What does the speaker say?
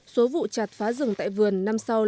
số vụ chặt phá rừng tại vườn năm sau